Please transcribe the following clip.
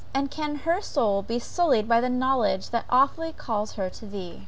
And, can her soul be sullied by the knowledge that awfully calls her to Thee?